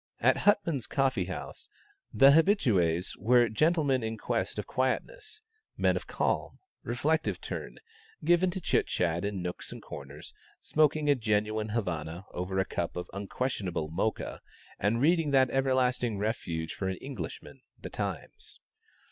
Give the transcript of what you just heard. At Huttman's Coffee House, the habitués were gentlemen in quest of quietness; men of calm, reflective turn, given to chit chat in nooks and corners; smoking a genuine "Havana" over a cup of unquestionable "Mocha," and reading that everlasting refuge for an Englishman, "The Times."